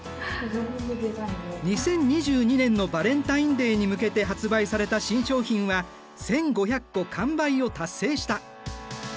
２０２２年のバレンタインデーに向けて発売された新商品は１，５００個完売を達成した。